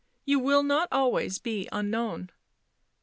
" You will not always be unknown."